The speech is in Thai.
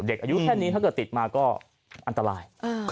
เด็กอายุแค่นี้ถ้าเกิดติดมาก็อันตราย